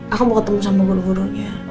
aku mau ketemu sama guru gurunya